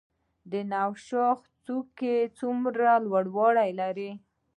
نوشاخ څوکه څومره لوړوالی لري؟